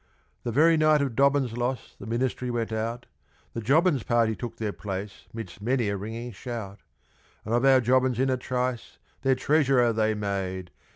The very night of Dobbins' loss, the Ministry went out, The Jobbins' party took their place 'midst many a ringing shout; And of our Jobbins in a trice, their Treasurer they made.